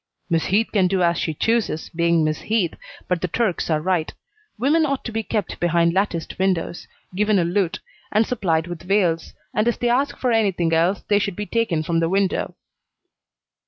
"Miss Heath can do as she chooses, being Miss Heath, but the Turks are right. Women ought to be kept behind latticed windows, given a lute, and supplied with veils, and if they ask for anything else, they should be taken from the window."